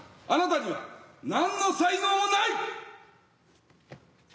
あなたにはなんの才能もない！